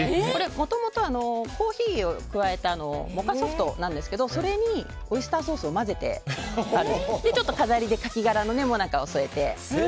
もともとコーヒーを加えたモカソフトなんですがそれにオイスターソースを混ぜてちょっと飾りでカキ殻のもなかを添えて。